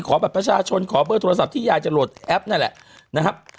ขอบัตรประชาชนขอเบอร์โทรศัพท์ที่ยายจะโหลดแอปนั่นแหละนะครับ